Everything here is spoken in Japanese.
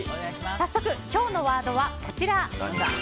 早速、今日のワードはこちら。